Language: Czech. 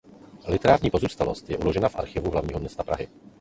Literární pozůstalost je uložena v Archivu hlavního města Prahy.